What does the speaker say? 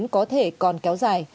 có thể còn kéo dài